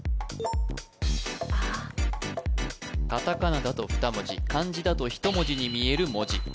カタカナだと２文字漢字だと１文字に見える文字